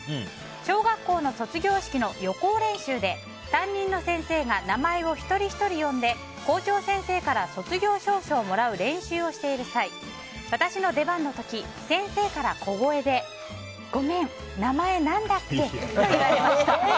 小学校の卒業式の予行練習で担任の先生が名前を一人ひとり呼んで校長先生から卒業証書をもらう練習をしている際私の出番の時先生から小声でごめん、名前何だっけ？と言われました。